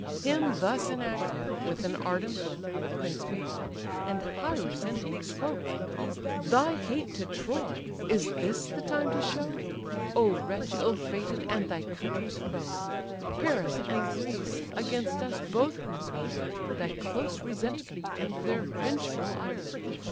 Him thus inactive, with an ardent look The prince beheld, and high resenting spoke. "Thy hate to Troy, is this the time to show? (O wretch ill fated, and thy country's foe!) Paris and Greece against us both conspire, Thy close resentment, and their vengeful ire.